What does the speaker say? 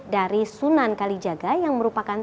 dari sunan kalijaga yang merupakan